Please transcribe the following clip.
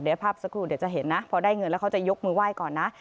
เดี๋ยวภาพสักครู่เดี๋ยวจะเห็นนะพอได้เงินแล้วเขาจะยกมือไหว้ก่อนนะ